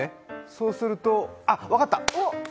そうすると、あっ、分かった。